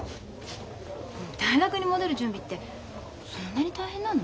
大学に戻る準備ってそんなに大変なの？